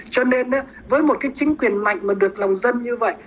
cho nên với một cái chính quyền mạnh mà được lòng dân như vậy